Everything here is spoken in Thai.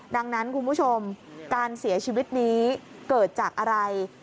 ดังนั้นคุณผู้ชมการเสียชีวิตนี้เกิดจากอะไร